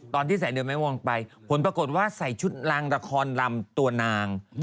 ตอนแสงเดือนแม้งวงไปผลปรากฏว่าใส่ชุดรางละครลำตัวนาง